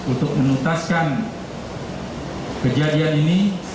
untuk menuntaskan kejadian ini